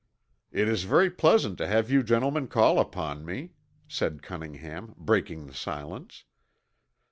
"It is very pleasant to have you gentlemen call upon me," said Cunningham, breaking the silence.